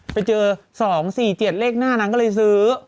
ไปเจอ๒๔๗เลขหน้านางก็เลยซื้อ